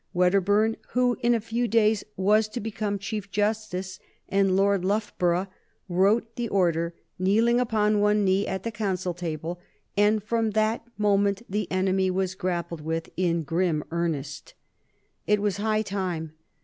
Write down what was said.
Wedderburn, who in a few days was to become Chief Justice and Lord Loughborough, wrote the order, kneeling upon one knee at the council table, and from that moment the enemy was grappled with in grim earnest. It was high time.